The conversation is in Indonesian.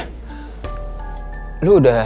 kalau lu udah nge chat